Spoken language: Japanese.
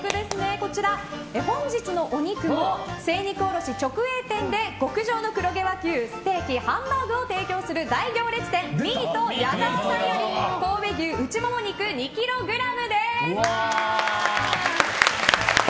こちら本日のお肉は精肉卸直営店で極上の黒毛和牛、ステーキハンバーグを提供する大行列店ミート矢澤さんより神戸牛内モモ肉２ｋｇです。